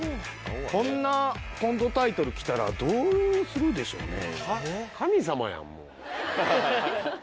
こんなコントタイトル来たらどうするでしょうね？